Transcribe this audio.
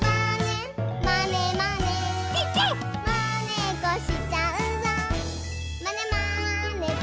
「まねっこしちゃうぞまねまねぽん！」